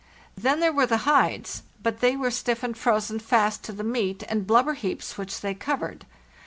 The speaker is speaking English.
Then there were the hides; but they were stiff and frozen fast to the meat' and blubber heaps which they covered.